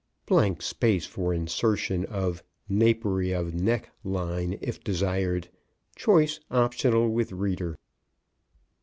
(Blank space for insertion of "napery of neck" line, if desired. Choice optional with reader.)